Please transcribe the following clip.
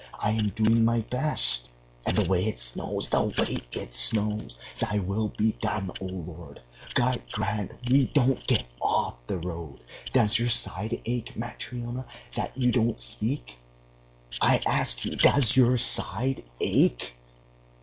I am doing my best. And the way it snows, the way it snows! Thy Will be done, O Lord! God grant we don't get off the road.... Does your side ache, Matryona, that you don't speak? I ask you, does your side ache?"